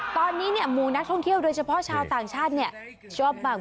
ตอนนี้หมู่นักท่องเที่ยวโดยเฉพาะชาวต่างชาติชอบบาง